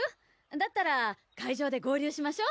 だったら会場で合流しましょ！